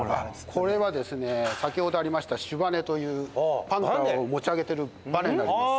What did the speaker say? これはですね先ほどありました主バネというパンタを持ち上げてるバネになります。